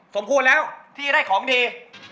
สมควรแล้วที่ได้ของดี